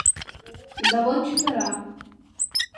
Завод чытыра.